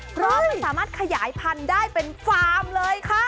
เพราะไม่สามารถขยายพันธุ์ได้เป็นฟาร์มเลยค่ะ